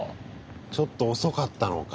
ちょっと遅かったのか